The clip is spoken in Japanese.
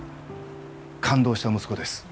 勘当した息子です。